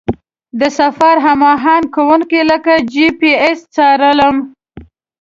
د سفر هماهنګ کوونکي لکه جي پي اس څارلم.